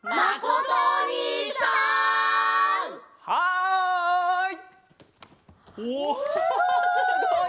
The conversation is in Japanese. はい！